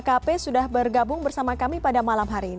kp sudah bergabung bersama kami pada malam hari ini